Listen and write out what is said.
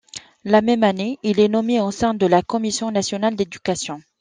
La même année, il est nommé au sein de la Commission nationale d'éducation.